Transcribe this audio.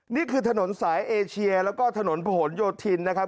นี่คือถนนสายเอเชียแล้วก็ถนนผนโยธินนะครับ